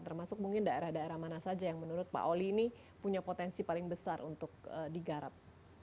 termasuk mungkin daerah daerah mana saja yang menurut pak oli ini punya potensi paling besar untuk digarap